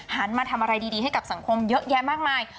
มาทำอะไรดีให้กับสังคมเยอะแยะมากมาย